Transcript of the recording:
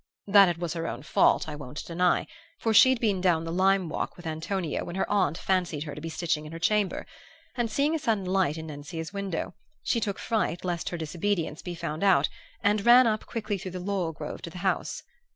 That it was her own fault I won't deny, for she'd been down the lime walk with Antonio when her aunt fancied her to be stitching in her chamber; and seeing a sudden light in Nencia's window, she took fright lest her disobedience be found out, and ran up quickly through the laurel grove to the house.